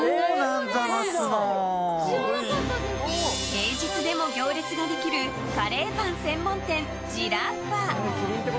平日でも行列ができるカレーパン専門店、ジラッファ。